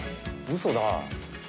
うそだ！